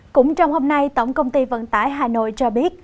cũng trong hôm nay tổng công ty vận tải hà nội cho biết